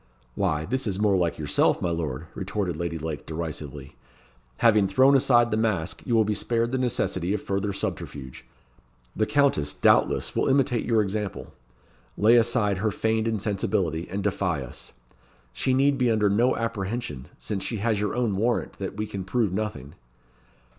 "Why, this is more like yourself, my lord," retorted Lady Lake, derisively. "Having thrown aside the mask, you will be spared the necessity of further subterfuge. The Countess, doubtless, will imitate your example, lay aside her feigned insensibility, and defy us. She need be under no apprehension; since she has your own warrant that we can prove nothing."